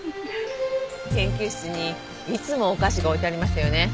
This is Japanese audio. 研究室にいつもお菓子が置いてありましたよね。